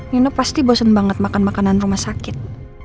nyono pasti bosen banget makan makanan rumah sakit